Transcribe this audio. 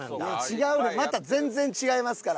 違うねんまた全然違いますから。